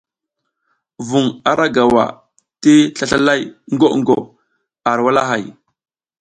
Vuŋ ara gawa ti slaslalay gwo gwo ar walahay.